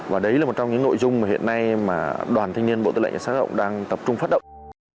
và đấy là một trong những nội dung mà hiện nay mà đoàn thanh niên bộ tư lệnh cảnh sát giao động đang tập trung phát động